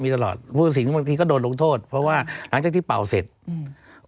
มีตลอดผู้สิงห์บางทีก็โดนลงโทษเพราะว่าหลังจากที่เป่าเสร็จอืม